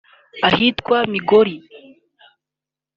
Ahitwa Migori